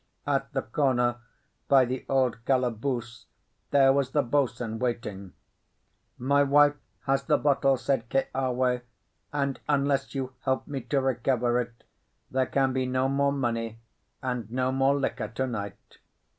At the corner, by the old calaboose, there was the boatswain waiting. "My wife has the bottle," said Keawe, "and, unless you help me to recover it, there can be no more money and no more liquor to night."